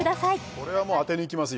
これはもう当てにいきますよ